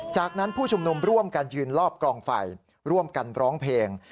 จากนั้นผู้ชุมนุมร่วมกันยืนรอบกองไฟร่วมกันร้องเพลง